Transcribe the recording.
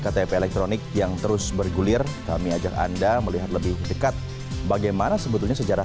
ktp elektronik yang terus bergulir kami ajak anda melihat lebih dekat bagaimana sebetulnya sejarah